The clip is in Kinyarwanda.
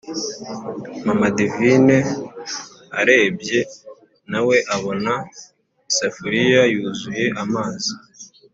mama divine arebye nawe abona isafuriya yuzuye amazi,